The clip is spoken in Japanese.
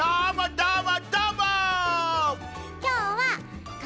どーも！